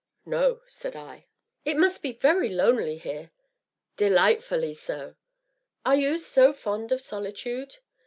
"No," said I. "It must be very lonely here." "Delightfully so." "Are you so fond of solitude?"